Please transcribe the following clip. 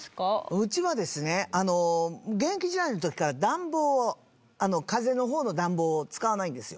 うちはですね現役時代の時から暖房を風の方の暖房を使わないんですよ。